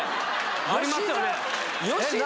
ありますよね。